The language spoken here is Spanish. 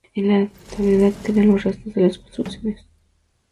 En la actualidad quedan los restos de las construcciones.